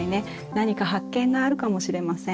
何か発見があるかもしれません。